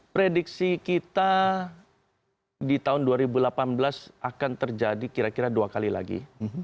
prediksi kita di tahun dua ribu delapan belas akan terjadi kira kira dua kali lagi